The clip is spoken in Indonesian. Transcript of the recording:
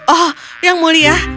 oh yang mulia